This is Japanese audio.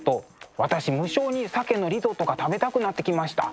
私無性に鮭のリゾットが食べたくなってきました。